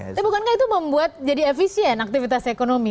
tapi bukankah itu membuat jadi efisien aktivitas ekonomi